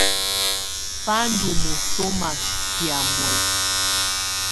Bá ndɔ̀ mɔ̀sɔmà kɛ̀á muɛ̀sɛ̀.